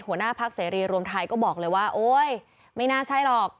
หัวหน้าพักเสรีรวมไทยก็บอกเลยว่าโอ๊ยไม่น่าใช่หรอก